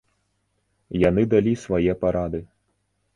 Яны далі свае парады.